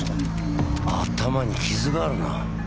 頭に傷があるな。